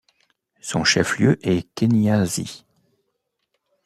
Son chef-lieu est Kenyasi.